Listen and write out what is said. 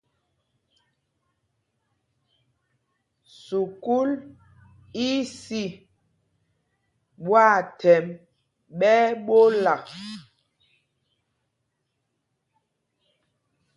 Sukúl í í sî, ɓwâthɛmb ɓɛ́ ɛ́ ɓola.